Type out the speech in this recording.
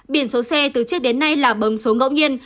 biển số xe từ trước đến nay là bấm số ngẫu nhiên